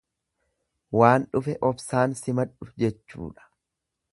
Waan dhufe obsaan simadhu jechuudha.